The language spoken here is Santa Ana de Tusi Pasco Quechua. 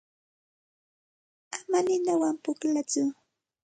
Ama ninawan pukllatsu.